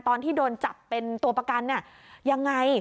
ตอนที่โดนจับเป็นตัวประกันยังไง